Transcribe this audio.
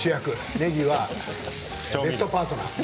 ねぎは、ベストパートナー。